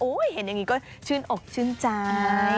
เห็นอย่างนี้ก็ชื่นอกชื่นใจ